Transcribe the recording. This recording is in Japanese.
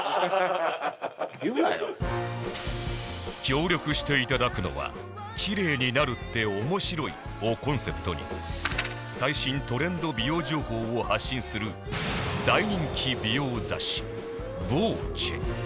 協力していただくのは「キレイになるって面白い」をコンセプトに最新トレンド美容情報を発信する大人気美容雑誌『ＶＯＣＥ』